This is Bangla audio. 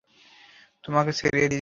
তোমাকে ছেড়ে দিয়েছে?